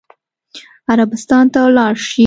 عربستان ته ولاړ شي.